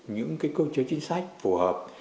những cơ chế chính sách phù hợp